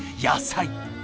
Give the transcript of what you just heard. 野菜。